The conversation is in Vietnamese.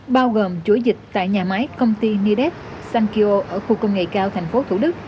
bao gồm chuỗi dịch tại nhà máy công ty nidex sankeo ở khu công nghệ cao tp thủ đức